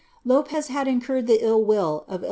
Lo|.cz had incurred the ill will of F.